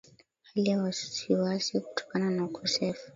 hali ya wasiwasi kutokana na ukosefu